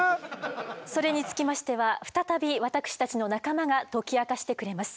それにつきましては再び私たちの仲間が解き明かしてくれます。